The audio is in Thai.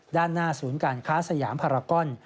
ด้านหน้าศูนย์การค้าสยามพารากอน